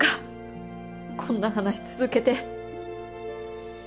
こんな話続けて。